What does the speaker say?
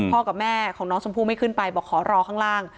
กับแม่ของน้องชมพู่ไม่ขึ้นไปบอกขอรอข้างล่าง